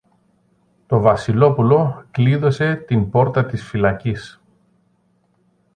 Το Βασιλόπουλο κλείδωσε την πόρτα της φυλακής